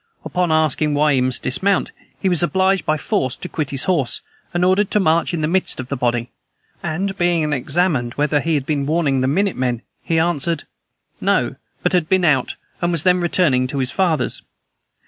Upon asking why he must dismount, he was obliged by force to quit his horse, and ordered to march in the midst of the body; and, being examined whether he had been warning the minute men, he answered, 'No, but had been out, and was then returning to his father's.'